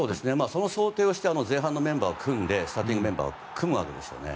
その想定をして、前半のスターティングメンバーを組むわけですね。